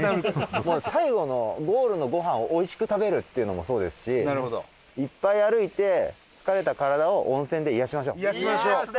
最後のゴールのごはんをおいしく食べるっていうのもそうですしいっぱい癒やしましょう。